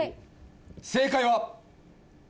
正解は。